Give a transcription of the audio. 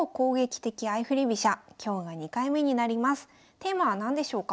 テーマは何でしょうか？